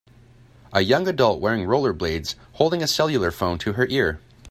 A young adult wearing rollerblades, holding a cellular phone to her ear.